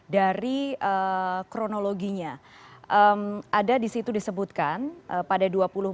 dari kronologinya ada di situ disebutkan pada dua puluh empat